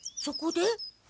そこで？